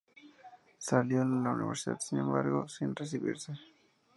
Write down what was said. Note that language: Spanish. Salió de la universidad, sin embargo, sin recibirse.